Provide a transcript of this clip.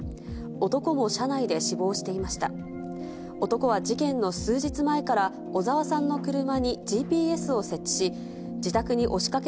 男も車内で死亡していました。